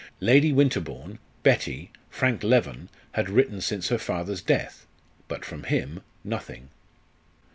Lady Winterbourne, Betty, Frank Leven, had written since her father's death; but from him, nothing.